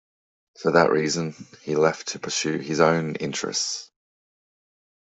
For that reason, he left to pursue his own interests.